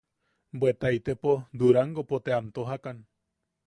Bweta itepo Durangopo te am tojakan.